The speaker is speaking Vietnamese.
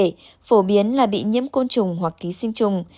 hoang tưởng bị hại phổ biến là bị nhiễm côn trùng hoặc ký sinh trùng